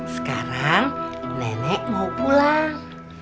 sekarang nenek mau pulang